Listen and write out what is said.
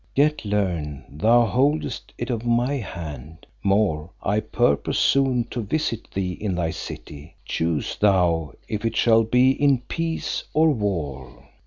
Yet learn, thou holdest it of my hand. More I purpose soon to visit thee in thy city choose thou if it shall be in peace or war!